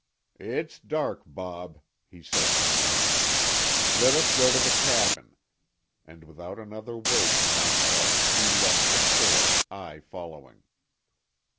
"It's dark, Bob," he said to me. "Let us go to the cabin." And without another word to Montell he left the store, I following.